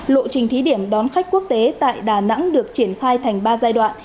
lộ trình thí điểm đón khách quốc tế tại đà nẵng được triển khai thành ba giai đoạn